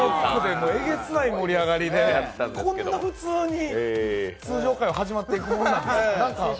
えげつない盛り上がりでこんな普通に通常回始まっていくものなんですね。